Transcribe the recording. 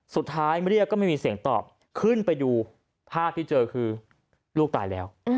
สุดท้ายเรียกก็ไม่มีเสียงตอบขึ้นไปดูภาพที่เจอคือลูกตายแล้ว